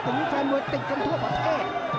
จนมีไฟมวยติดกันทั่วประเทศ